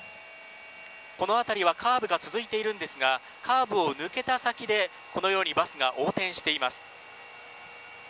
この辺りはカーブが続いているんですがカーブを抜けた先でバスが横転しています。